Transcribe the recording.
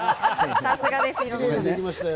さすがです。